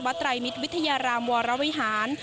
ไตรมิตรวิทยารามวรวิหาร